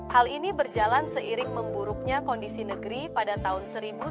hal ini berjalan seiring memburuknya kondisi negeri pada tahun seribu sembilan ratus sembilan puluh